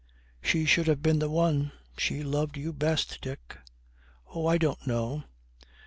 'She should have been the one; she loved you best, Dick.' 'Oh, I don't know.